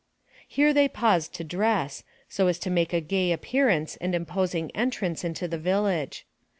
Here they paused to dress, so as to make a gay ap pearance and imposing entrance into the village.